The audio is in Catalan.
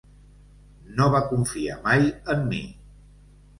No va confiar mai en mi!